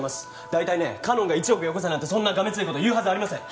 大体ねかのんが１億よこせなんてそんながめつい事言うはずありません。